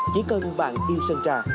chỉ cần bạn yêu sơn trà